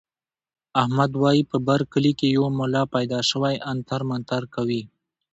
احمد وايي په بر کلي کې یو ملا پیدا شوی عنتر منتر کوي.